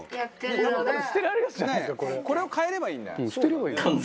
「これを替えればいいんだよ」